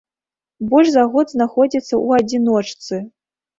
Больш за год знаходзіцца ў адзіночцы.